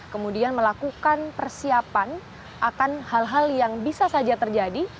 kemudian melakukan persiapan akan hal hal yang bisa saja terjadi